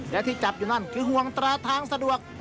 และที่จับอยู่นั่นคือห่วงตราทางสะดวก